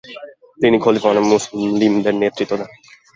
তিনি খলিফা হন এবং মুসলিমদের নেতৃত্ব দেন।